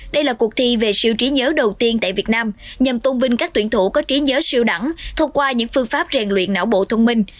đây là cuộc thi về siêu trí nhớ đầu tiên tại việt nam nhằm tôn vinh các tuyển thủ có trí nhớ siêu đẳng thông qua những phương pháp rèn luyện não bộ thông minh